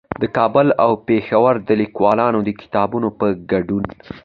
د کابل او پېښور د ليکوالانو د کتابونو په ګډون